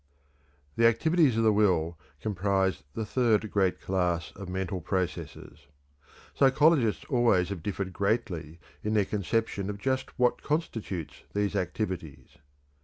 The activities of the will comprise the third great class of mental processes. Psychologists always have differed greatly in their conception of just what constitutes these activities.